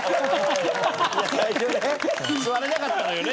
最初ね座れなかったのよね